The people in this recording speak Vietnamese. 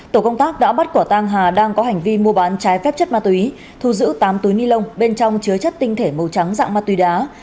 tổ công tác đã bắt quả tang hà đang có hành vi mua bán trái phép chất ma túy thu giữ tám túi ni lông bên trong chứa chất tinh thể màu trắng dạng ma túy đá